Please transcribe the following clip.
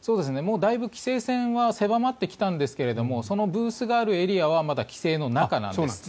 だいぶ規制線は狭まってきたんですがそのブースがあるエリアは規制線の中なんですね。